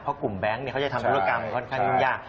เพราะกลุ่มแบงค์เขาจะทำธุรกรรมค่อนข้างยุ่งยาก